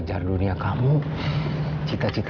jadi saya suka lirik itu